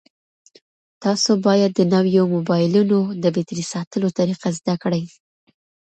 تاسو باید د نویو موبایلونو د بېټرۍ ساتلو طریقه زده کړئ.